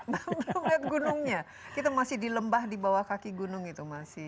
belum melihat gunungnya kita masih di lembah di bawah kaki gunung itu masih